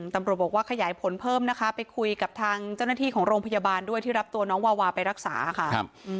ตำรวจบอกว่าขยายผลเพิ่มนะคะไปคุยกับทางเจ้าหน้าที่ของโรงพยาบาลด้วยที่รับตัวน้องวาวาไปรักษาค่ะ